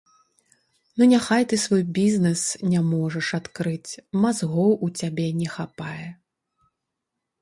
Ну, няхай ты свой бізнэс не можаш адкрыць, мазгоў у цябе не хапае.